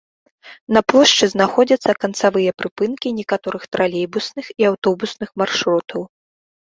На плошчы знаходзяцца канцавыя прыпынкі некаторых тралейбусных і аўтобусных маршрутаў.